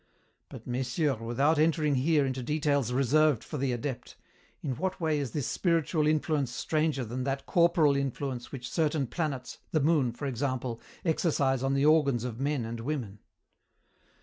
But, messieurs, without entering here into details reserved for the adept, in what way is this spiritual influence stranger than that corporal influence which certain planets, the moon, for example, exercise on the organs of men and women?